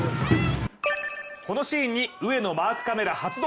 このシーンに上野マークカメラ発動！